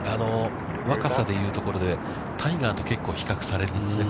若さでいうところでタイガーと結構比較されるんですよね。